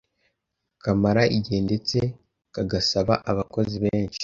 kamara igihe ndetse kagasaba abakozi benshi